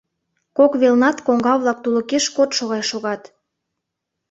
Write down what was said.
Кок велнат коҥга-влак тулыкеш кодшо гай шогат.